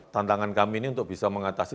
tantangan kami ini untuk bisa mengatasi